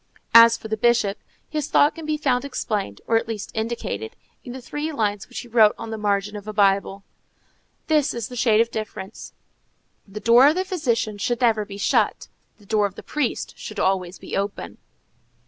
As for the Bishop, his thought can be found explained, or at least indicated, in the three lines which he wrote on the margin of a Bible, "This is the shade of difference: the door of the physician should never be shut, the door of the priest should always be open."